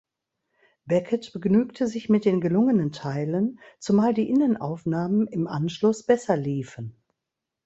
Beckett begnügte sich mit den gelungenen Teilen, zumal die Innenaufnahmen im Anschluss besser liefen.